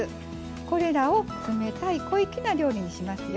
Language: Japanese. これらを冷たい小粋な料理にしますよ。